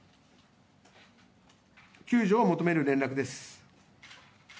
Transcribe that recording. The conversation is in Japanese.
救助を求める連絡です。